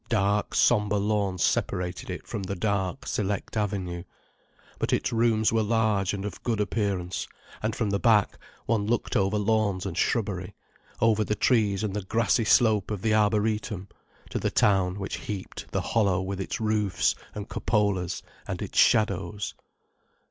Dark, sombre lawns separated it from the dark, select avenue. But its rooms were large and of good appearance, and from the back, one looked over lawns and shrubbery, over the trees and the grassy slope of the Arboretum, to the town which heaped the hollow with its roofs and cupolas and its shadows.